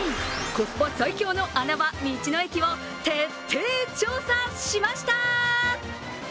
コスパ最強の穴場、道の駅を徹底調査しました。